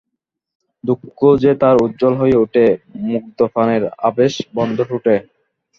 দুঃখ যে তার উজ্জ্বল হয়ে উঠে, মুগ্ধ প্রাণের আবেশ-বন্ধ টুটে।